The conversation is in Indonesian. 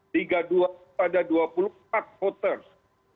liga dua itu ada dua puluh empat voters